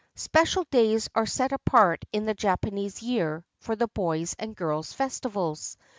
Special days are set apart in the Japanese year for the boys' and girls' festivals.